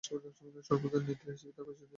সর্বোদয় নেত্রী হিসেবে তার পরিচিতি ছিল।